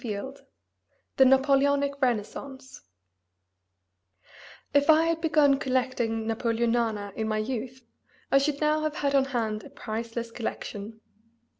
XVII THE NAPOLEONIC RENAISSANCE If I had begun collecting Napoleonana in my youth I should now have on hand a priceless collection.